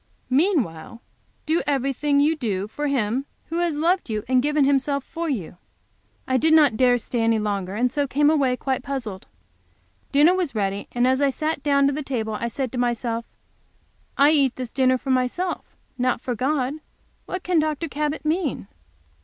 "Meanwhile do everything you do for Him who has loved you and given Himself for you." I did not dare to stay any longer, and so came away quite puzzled. Dinner was ready, and as I sat down to the table, I said to myself: "I eat this dinner for myself, not for God. What can Dr. Cabot mean?"